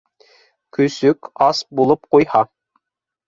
Көсөк ас булып ҡуйһа!